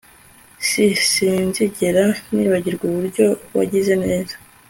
S Sinzigera nibagirwa uburyo wagize neza